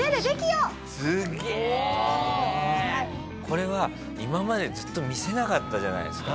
これは今までずっと見せなかったじゃないですか。